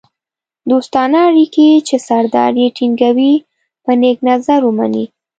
دوستانه اړیکې چې سردار یې ټینګوي په نېک نظر ومني.